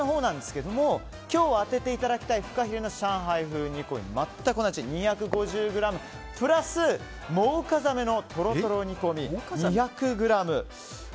今日当てていただきたいフカヒレの上海風煮込みは全く同じ、２５０ｇプラスモウカザメのとろとろ煮込み２５０ｇ。